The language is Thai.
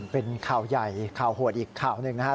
เป็นข่าวใหญ่ข่าวโหดอีกข่าวหนึ่งนะครับ